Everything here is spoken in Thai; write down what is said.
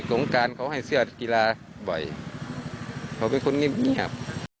ตรงวันก้างเขาให้เสื้อกีฬาบ่อยเขาเป็นคนเงียบเงียบ